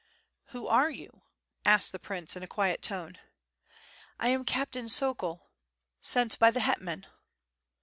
"Who are you?" asked the prince in a quiet tone. "I am Captain Sokol. ... sent by the hetman."